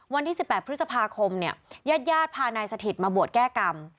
วันที่๑๘พฤษภาคมยาดพานายสถิตมาบวชแก้กรรม